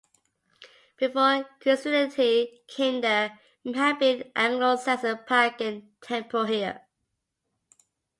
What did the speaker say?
Before Christianity came there may have been an Anglo-Saxon pagan temple here.